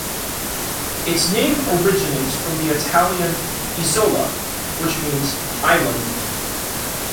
Its name originates from the Italian "Isola", which means 'island'.